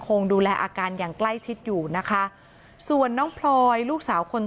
คงดูแลอาการอย่างใกล้ชิดอยู่นะคะส่วนน้องพลอยลูกสาวคน